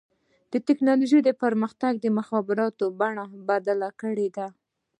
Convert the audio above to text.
د ټکنالوجۍ پرمختګ د مخابراتو بڼه بدله کړې ده.